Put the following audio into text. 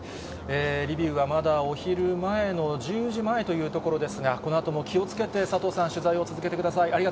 リビウはまだお昼前の１０時前というところですが、このあとも気をつけて、佐藤さん、取材を続けてください。